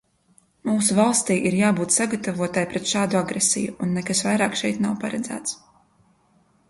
Mūsu valstij ir jābūt sagatavotai pret šādu agresiju, un nekas vairāk šeit nav paredzēts.